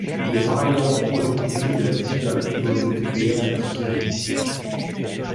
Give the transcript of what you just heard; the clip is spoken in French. Il est par ailleurs membre du comité de la National Football League Players Association.